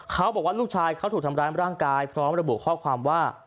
เขาบอกว่าลูกชายเขาถูกทำร้ายร่างกายพร้อมระบุข้อความว่า